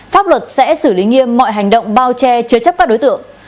pháp luật sẽ xử lý nghiêm mọi hành động bao che chứa chấp các đối tượng